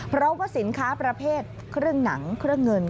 เพราะว่าสินค้าประเภทเครื่องหนังเครื่องเงิน